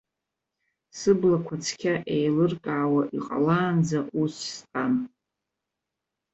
Сыблақәа цқьа еилыркаауа иҟалаанӡа ус стәан.